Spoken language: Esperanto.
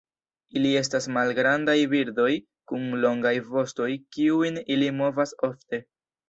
Ili estas malgrandaj birdoj kun longaj vostoj kiujn ili movas ofte.